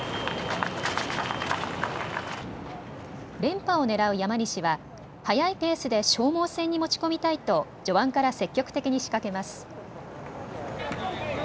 連覇をねらう山西は速いペースで消耗戦に持ち込みたいと序盤から積極的に仕掛けます。